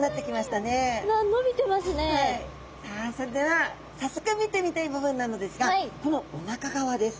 さあそれでは早速見てみたい部分なのですがこのおなか側です。